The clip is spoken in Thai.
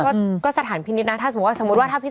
สมมติว่าถ้าพิจารณออกมาคือผิดก็ต้องเข้าสถานพินิษฐ์